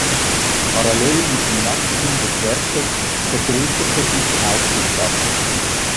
Parallel mit dem Wachstum des Werkes vergrößerte sich auch die Stadt.